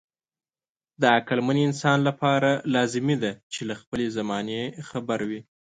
د عقلمن انسان لپاره لازمي ده چې له خپلې زمانې خبر وي.